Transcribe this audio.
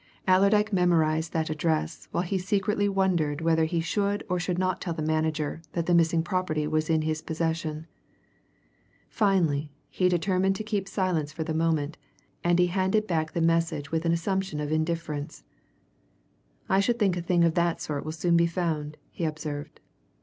Allerdyke memorized that address while he secretly wondered whether he should or should not tell the manager that the missing property was in his possession. Finally he determined to keep silence for the moment, and he handed back the message with an assumption of indifference. "I should think a thing of that sort will soon be found," he observed.